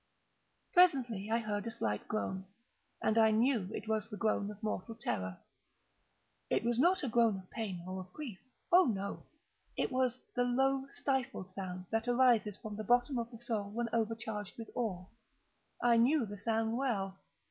Presently I heard a slight groan, and I knew it was the groan of mortal terror. It was not a groan of pain or of grief—oh, no!—it was the low stifled sound that arises from the bottom of the soul when overcharged with awe. I knew the sound well.